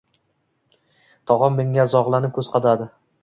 Tog‘am menga zog‘lanib ko‘z qadadi: